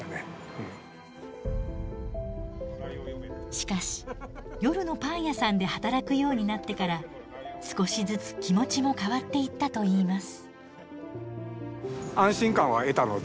しかし夜のパン屋さんで働くようになってから少しずつ気持ちも変わっていったといいます。